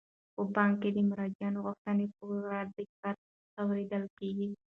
په بانک کې د مراجعینو غوښتنې په پوره دقت اوریدل کیږي.